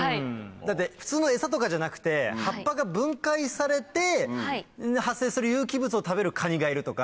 普通のエサとかじゃなくて葉っぱが分解されて発生する有機物を食べるカニがいるとか